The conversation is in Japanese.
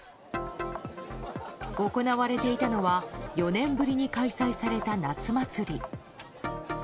行われていたのは４年ぶりに開催された夏祭り。